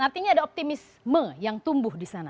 artinya ada optimisme yang tumbuh